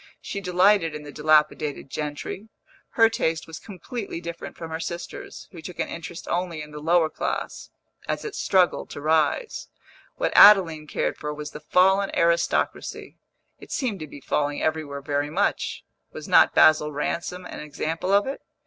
She delighted in the dilapidated gentry; her taste was completely different from her sister's, who took an interest only in the lower class, as it struggled to rise; what Adeline cared for was the fallen aristocracy (it seemed to be falling everywhere very much; was not Basil Ransom an example of it?